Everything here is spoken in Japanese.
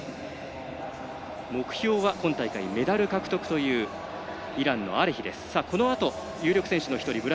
目標は今大会メダル獲得というイランのアレヒです。